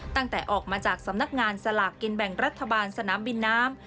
ตั้งแต่ออกมาจากสำนักงานสลากกินแบ่งรัฐบาลสนามบินน้ำ